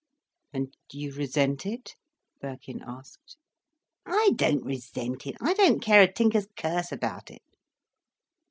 "And you resent it?" Birkin asked. "I don't resent it. I don't care a tinker's curse about it."